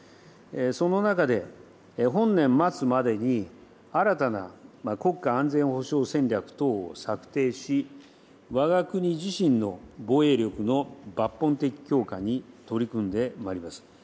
その中で、本年末までに新たな国家安全保障戦略等を策定し、わが国自身の防衛力の抜本的強化に取り組んでまいります。